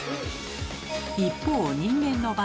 一方人間の場合。